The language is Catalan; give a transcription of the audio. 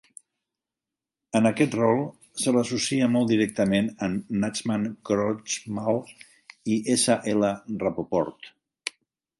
En aquest rol, se l'associa molt directament amb Nachman Krochmal i S.L. Rapoport.